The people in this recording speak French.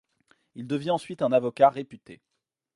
Il devient ensuite un avocat réputé.